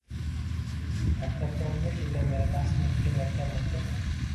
Maktabda o'n besh yildan beri dars berib kelayotgan bo‘lsada